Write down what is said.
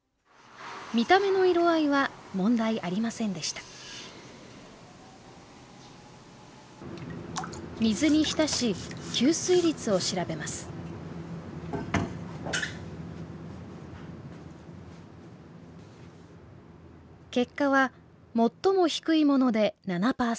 見た目の色合いは問題ありませんでした水に浸し吸水率を調べます結果は最も低いもので７％。